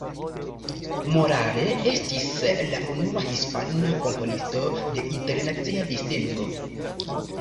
Morales estis la unua hispana komponisto de internacia distingo.